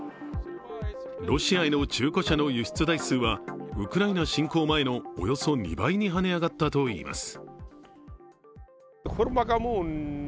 ロシアへの中古車の輸出台数はウクライナ侵攻前のおよそ２倍にはね上がったといいます。